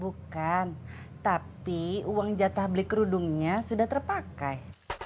bukan tapi uang jatah beli kerudungnya sudah terpakai